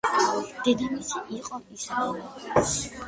დედამისი იყო ისაბელა.